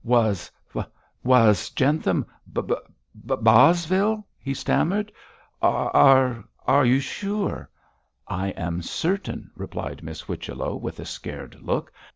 'W was Jentham Bos Bosvile?' he stammered. 'Are are you sure?' 'I am certain,' replied Miss Whichello, with a scared look.